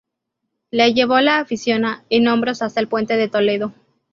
Le llevó la afición en hombros hasta el Puente de Toledo.